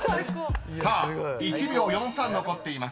［さあ１秒４３残っています］